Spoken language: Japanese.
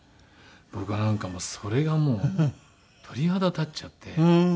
僕はなんかそれがもう鳥肌立っちゃって。